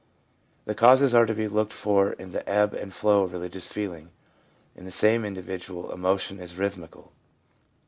The causes are to be looked for in the ebb and flow of religious feeling ; in the same individual, emotion is rhythmical.